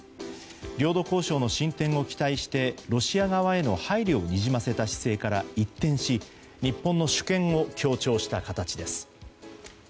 領土交渉の進展を期待してロシア側への配慮をにじませた姿勢から一転し日本の主権を強調した形です。